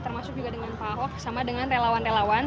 termasuk juga dengan pak ahok sama dengan relawan relawan